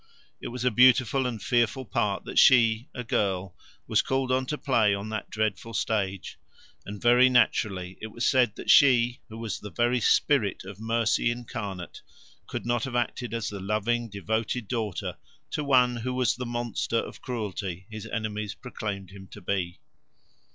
It was a beautiful and fearful part that she, a girl, was called on to play on that dreadful stage; and very naturally it was said that she, who was the very spirit of mercy incarnate, could not have acted as the loving, devoted daughter to one who was the monster of cruelty his enemies proclaimed him to be.